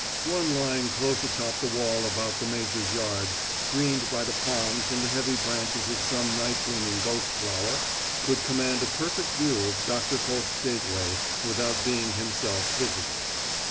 One lying close atop the wall about the major's yard, screened by the palms and the heavy branches of some night blooming ghost flower, could command a perfect view of Doctor Koch's gateway without being himself visible.